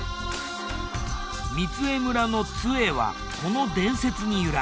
御杖村の杖はこの伝説に由来。